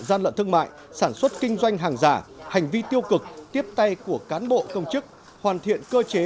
gian lận thương mại sản xuất kinh doanh hàng giả hành vi tiêu cực tiếp tay của cán bộ công chức hoàn thiện cơ chế